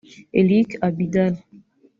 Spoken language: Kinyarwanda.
Eric Abidal